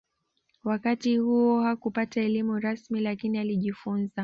Wakati huo hakupata elimu rasmi lakini alijifunza